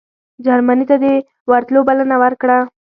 جرمني ته د ورتلو بلنه ورکړه.